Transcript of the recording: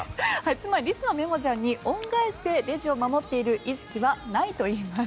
つまりリスのメモジャンに恩返しでレジを守っている意識はないといいます。